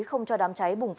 không cho đám cháy